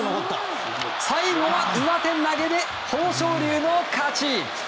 最後は上手投げで豊昇龍の勝ち。